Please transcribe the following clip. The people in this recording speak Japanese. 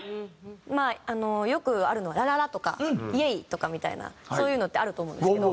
まあよくあるのは「ラララ」とか「イエイ」とかみたいなそういうのってあると思うんですけど。